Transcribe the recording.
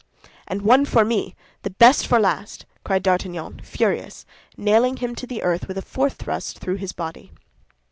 "And one for me—the best for last!" cried D'Artagnan, furious, nailing him to the earth with a fourth thrust through his body.